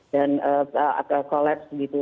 dan akan kolaps gitu